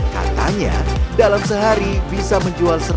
katanya dalam sehari bisa menjual seratus porsi soto